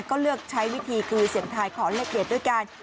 ก็เลือกใช้วิธีคือเสี่ยงทายขอเลขเด็ดด้วยกัน